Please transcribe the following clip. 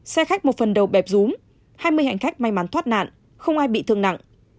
xe khách một phần đầu bẹp rúm hai mươi hành khách may mắn thoát nạn không ai bị thương nặng